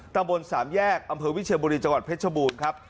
ตำบลสามแยกอำเภอวิเชียบุรีจังหวัดเพชรบูรณ์ครับ